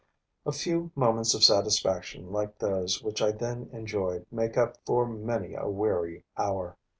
A few moments of satisfaction like those which I then enjoyed make up for many a weary hour.